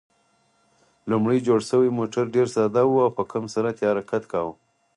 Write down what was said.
لومړی جوړ شوی موټر ډېر ساده و او په کم سرعت یې حرکت کاوه.